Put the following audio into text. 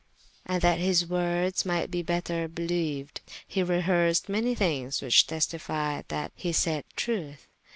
And that his woordes myght be better beleeued, he rehearsed many thinges which testified that he sayed trueth.